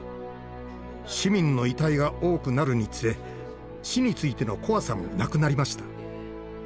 市民の遺体が多くなるにつれ「死」についての怖さもなくなりました。